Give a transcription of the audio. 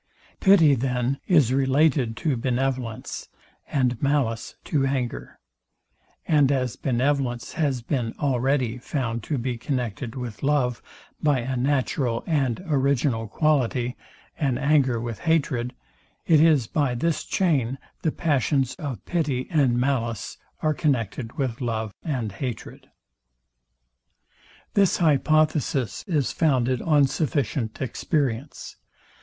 Pity, then, is related to benevolence; and malice to anger: And as benevolence has been already found to be connected with love, by a natural and original quality, and anger with hatred; it is by this chain the passions of pity and malice are connected with love and hatred. This hypothesis is founded on sufficient experience.